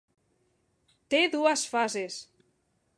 Té dues fases.